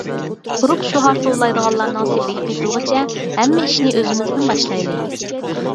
قۇرۇق شوئار توۋلايدىغانلارنىڭ سېپىگە قېتىلغۇچە ھەممە ئىشنى ئۆزىمىزدىن باشلايلى.